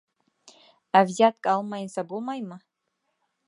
Ә взятка алмайынса булмаймы?